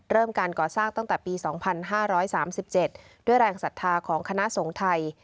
การก่อสร้างตั้งแต่ปี๒๕๓๗ด้วยแรงศรัทธาของคณะสงฆ์ไทย